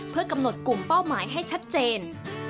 เพื่อกำหนดกลุ่มเป้าหมายให้ชัดเจน